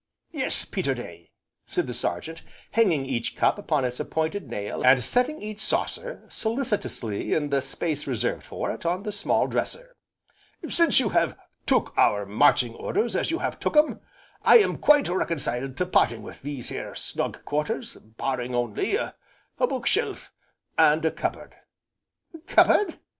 "Yes, Peterday," said the Sergeant, hanging each cup upon its appointed nail, and setting each saucer solicitously in the space reserved for it on the small dresser, "since you have took our marching orders as you have took 'em, I am quite reconciled to parting with these here snug quarters, barring only a book shelf, and a cup board." "Cupboard!"